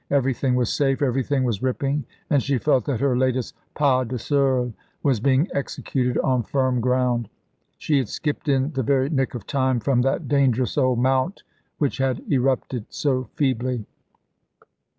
Everything was safe, everything was ripping, and she felt that her latest pas de seul was being executed on firm ground. She had skipped in the very nick of time from that dangerous old mount which had erupted so feebly.